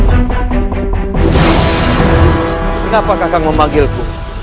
kenapa kakak memagilku